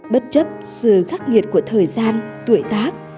bất chấp sự khắc nghiệt của thời gian tuổi tác